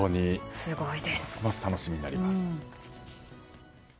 ますます楽しみになります。